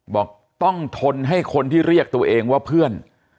บอกต้องทนให้คนที่เรียกตัวเองว่าเพื่อน